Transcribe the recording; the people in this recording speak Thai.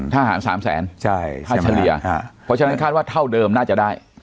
ทหาร๓แสนค่าเฉลี่ยเพราะฉะนั้นคาดว่าเท่าเดิมน่าจะได้